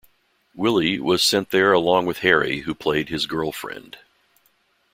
Willie was sent there along with Harry, who played his "girlfriend".